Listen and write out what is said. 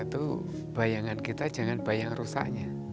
itu bayangan kita jangan bayang rusaknya